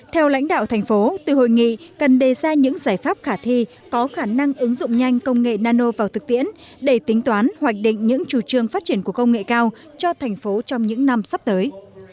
theo lãnh đạo thành phố từ hội nghị cần đề ra những giải pháp khả thi có khả năng ứng dụng nhanh công nghệ nano vào thực tiễn để tính toán hoạch định những chủ trương phát triển của công nghệ cao cho thành phố trong những năm sắp tới